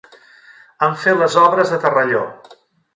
Han fet les obres a terrelló.